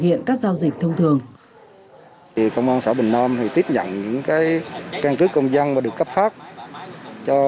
hiện các giao dịch thông thường công an xã bình nam tiếp nhận căn cước công dân và được cấp phát cho